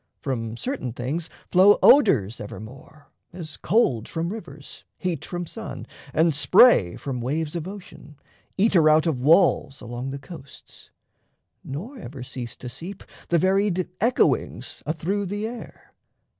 From certain things flow odours evermore, As cold from rivers, heat from sun, and spray From waves of ocean, eater out of walls Along the coasts. Nor ever cease to seep The varied echoings athrough the air.